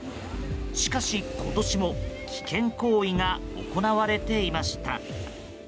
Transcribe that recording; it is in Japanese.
しかし、今年も危険行為が行われていました。